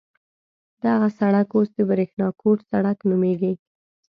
دغه سړک اوس د برېښنا کوټ سړک نومېږي.